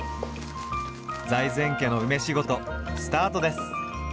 財前家の梅仕事スタートです。